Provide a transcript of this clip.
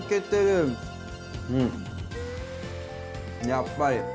やっぱり。